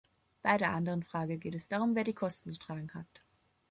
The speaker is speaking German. Bei der anderen Frage geht es darum, wer die Kosten zu tragen hat.